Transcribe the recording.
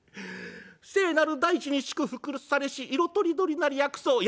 「聖なる大地に祝福されし色とりどりなる薬草」。